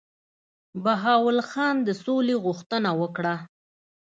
بهاول خان د سولي غوښتنه وکړه.